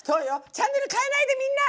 チャンネルかえないでみんな！